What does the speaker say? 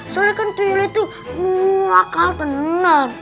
soalnya kan tuyul itu muakal tenang